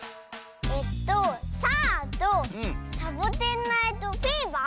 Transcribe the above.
えっと「さあ！」と「サボテン・ナイト・フィーバー」？